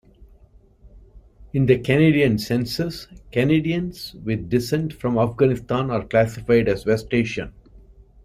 In the Canadian Census, Canadians with descent from Afghanistan are classified as West Asian.